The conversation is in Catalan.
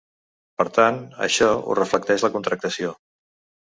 Per tant, això ho reflecteix la contractació.